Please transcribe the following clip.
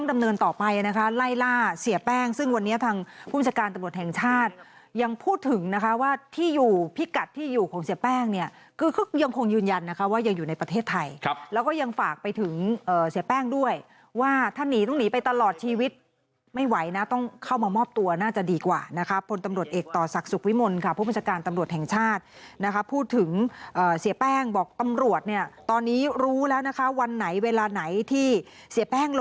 ไม่ล่าเสียแป้งซึ่งวันนี้ทางภูมิศการตำรวจแห่งชาติยังพูดถึงนะคะว่าที่อยู่พิกัดที่อยู่ของเสียแป้งเนี่ยคือคือยังคงยืนยันนะคะว่ายังอยู่ในประเทศไทยครับแล้วก็ยังฝากไปถึงเสียแป้งด้วยว่าถ้าหนีต้องหนีไปตลอดชีวิตไม่ไหวนะต้องเข้ามามอบตัวน่าจะดีกว่านะครับพลตำรวจเอกต่อศักดิ์ส